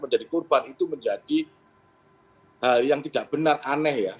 menjadi korban itu menjadi hal yang tidak benar aneh ya